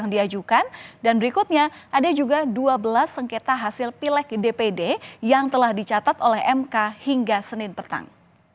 yang diajukan dan berikutnya ada juga dua belas sengketa hasil pilek dpd yang telah dicatat oleh mk hingga senin petang